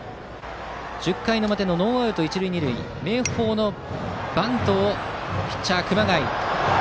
１０回表ノーアウト、一塁二塁明豊のバントをピッチャー、熊谷。